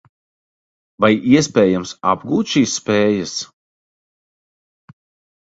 Vai iespējams apgūt šīs spējas?